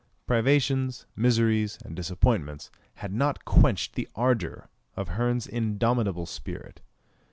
Privations, miseries, and disappointments, had not quenched the ardour of Hearn's indomitable spirit.